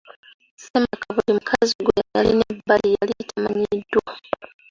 Ssemaka buli mukazi gwe yalina ebbali yali tamanyiddwa.